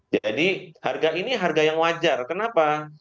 jadi harga ini harga yang wajar kenapa